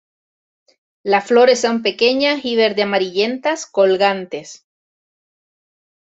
Las flores son pequeñas y verde-amarillentas, colgantes.